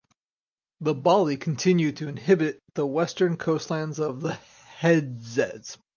The Bali continue to inhabit the western coastlands of the Hejaz.